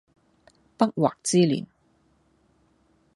不惑之年